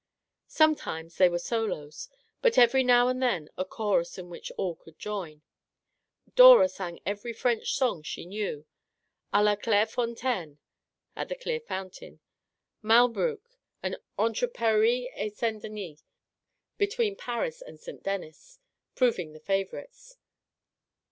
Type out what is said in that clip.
Sometimes there were solos, but every now and then a chorus in which all could join. Dora sang every French song she knew, — "A la Claire Fontaine" (" At the Clear Fountain"), " Malbrouck," and " Entre Paris et Saint 66 Our Little Canadian Cousin Denis "( <c Between Paris and St. Denis ") proving the favourites.